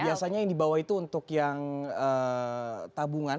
biasanya yang di bawah itu untuk yang tabungan